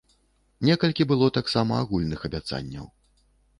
Некалькі было таксама агульных абяцанняў.